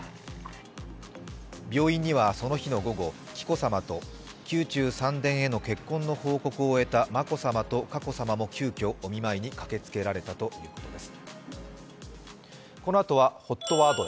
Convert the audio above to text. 病院にはその日の午後紀子さまと宮中三殿への結婚の報告を終えた眞子さま佳子さまも急きょお見舞いに駆けつけられたということです。